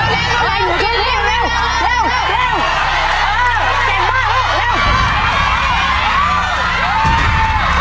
ยิบเลยยิบเลยเร็วเร็ว